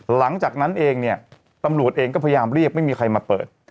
หลังจากนั้นเองเนี่ยตำรวจเองก็พยายามเรียกไม่มีใครมาเปิด